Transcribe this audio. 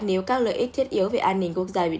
nếu các lợi ích thiết yếu về an ninh quốc gia bị đe dọa